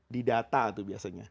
di data tuh biasanya